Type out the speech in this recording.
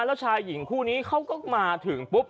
แล้วชายหญิงคู่นี้เขาก็มาถึงปุ๊บ